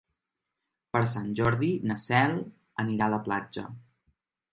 Per Sant Jordi na Cel anirà a la platja.